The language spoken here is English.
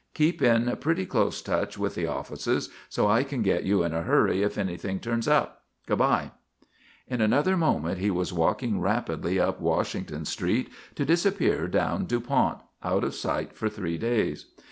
Keep in pretty close touch with the office so I can get you in a hurry if anything turns up. Good by." In another moment he was walking rapidly up Washington Street to disappear down Dupont, out of sight for three days.